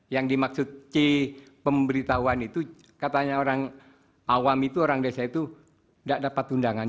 yang dimaksud c pemberitahuan itu katanya orang awam itu orang desa itu tidak dapat undangan